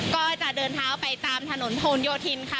ก็จะเดินเท้าไปตามถนนโพนโยธินค่ะ